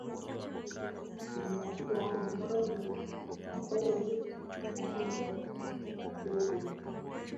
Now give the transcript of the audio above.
Alizaliwa mnamo tarehe sita mwezi wa pili